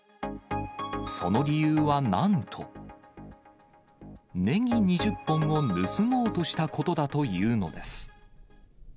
その理由はなんと、ネギ２０本を盗もうとしたことだというのです。